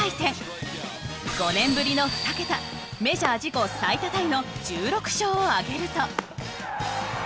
５年ぶりの２桁メジャー自己最多タイの１６勝を挙げると。